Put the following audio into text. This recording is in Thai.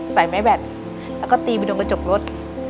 ใส่ไม้แบตแล้วก็ตีไปโดนกระจกรถ